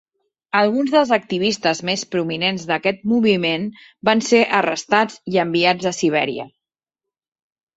Alguns dels activistes més prominents d'aquest moviment van ser arrestats i enviats a Sibèria.